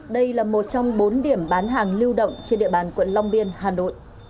đây là một trong bốn điểm bán hàng lưu động trên địa bàn quận long biên hà nội